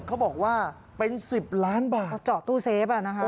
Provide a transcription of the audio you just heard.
เหมาะว่า๑๐ล้านบาทเจาะตู้เซฟอะนะฮะ